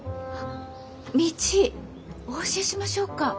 道お教えしましょうか？